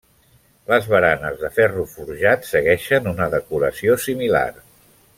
Les baranes de ferro forjat segueixen una decoració similar.